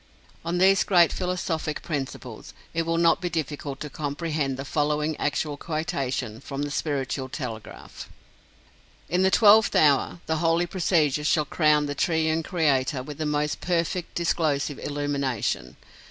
On these great philosophic principles it will not be difficult to comprehend the following actual quotation from the Spiritual Telegraph: "In the twelfth hour, the holy procedure shall crown the Triune Creator with the most perfect disclosive illumination.